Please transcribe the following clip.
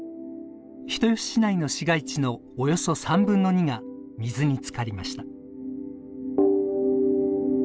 人吉市内の市街地のおよそ３分の２が水に浸かりました。